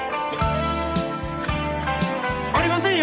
ありませんよ！